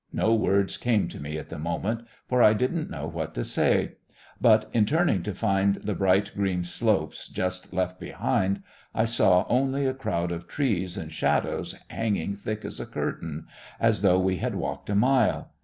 No words came to me at the moment, for I didn't know what to say; but, on turning to find the bright green slopes just left behind, I saw only a crowd of trees and shadows hanging thick as a curtain as though we had walked a mile.